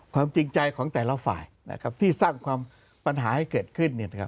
ความจริงใจของแต่ละฝ่ายนะครับที่สร้างความปัญหาให้เกิดขึ้นเนี่ยนะครับ